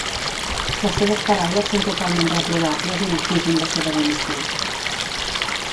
Les seves paraules són totalment reprovables i n'exigim la seva dimissió.